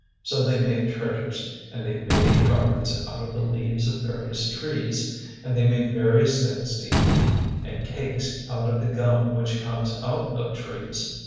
So they made treasures and they made garments out of the leaves of various trees, and they made various things to eat and cakes out of the gum which comes out of trees.